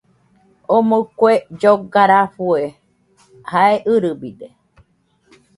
Omo kue lloga rafue jae ɨrɨbide